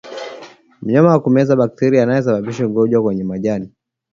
Mnyama kumeza bakteria anayesababisha ugonjwa kwenye majani